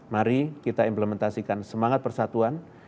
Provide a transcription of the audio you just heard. mari kita implementasikan semangat persatuan